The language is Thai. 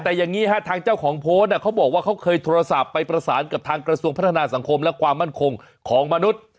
แต่อย่างนี้ฮะทางเจ้าของโพสต์เขาบอกว่าเขาเคยโทรศัพท์ไปประสานกับทางกระทรวงพัฒนาสังคมและความมั่นคงของมนุษย์